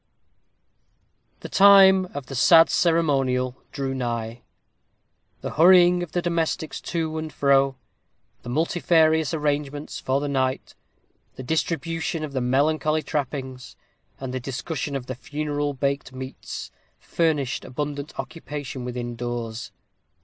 The time of the sad ceremonial drew nigh. The hurrying of the domestics to and fro; the multifarious arrangements for the night; the distribution of the melancholy trappings, and the discussion of the "funeral baked meats," furnished abundant occupation within doors.